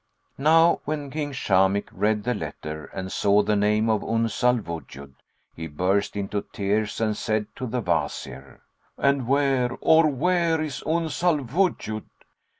Now when King Shamikh read the letter and saw the name of Uns al Wujud, he burst into tears and said to the Wazir "And where, or where, is Uns al Wujud?